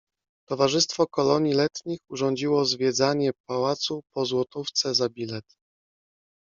Towarzystwo Kolonii Letnich urządziło zwiedzanie pałacu, po złotówce za bilet.